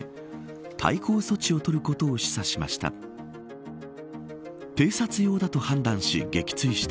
対抗措置を取ることを示唆しました。